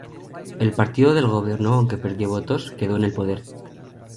El partido del gobierno, aunque perdió votos, quedó en el poder.